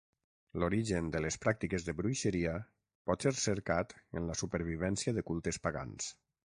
L'origen de les pràctiques de bruixeria pot ser cercat en la supervivència de cultes pagans.